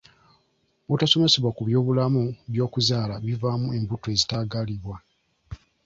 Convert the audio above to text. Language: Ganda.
Obutasomesebwa ku byobulamu by'okuzaala kivaamu embuto ezitaagalibwa.